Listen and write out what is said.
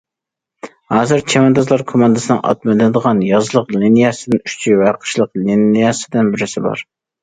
ھازىر، چەۋەندازلار كوماندىسىنىڭ ئات مىنىدىغان يازلىق لىنىيەسىدىن ئۈچى ۋە قىشلىق لىنىيەسىدىن بىرى بار.